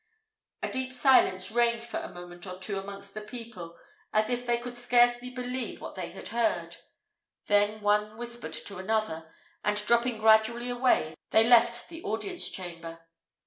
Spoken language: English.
A deep silence reigned for a moment or two amongst the people, as if they could scarcely believe what they had heard: then one whispered to another, and dropping gradually away, they left the audience chamber.